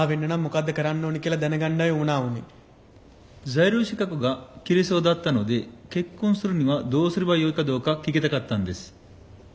在留資格が切れそうだったので結婚するにはどうすればよいかどうか聞きたかったんです。